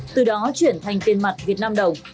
từ đó chuyển thành tiền mặt việt nam đồng